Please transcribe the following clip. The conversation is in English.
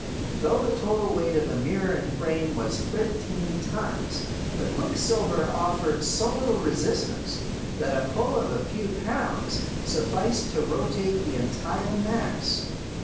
Though the total weight of the mirror and frame was thirteen tons, the quicksilver offered so little resistance that a pull of a few pounds sufficed to rotate the entire mass.